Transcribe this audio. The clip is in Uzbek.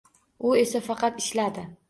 U esa faqat ishladi